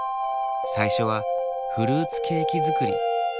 最初はフルーツケーキ作り。